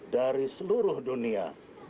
dari seluruh dunia